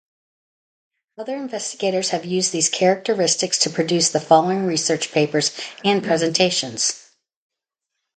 Other investigators have used these characteristics to produce the following research papers and presentations.